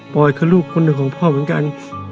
อยคือลูกคนหนึ่งของพ่อเหมือนกัน